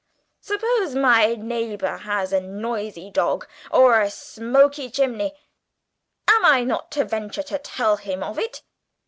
Suppose my neighbour has a noisy dog or a smoky chimney, am I not to venture to tell him of it?